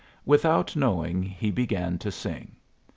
Without knowing, he began to sing.